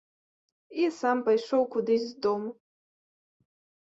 І сам пайшоў кудысь з дому.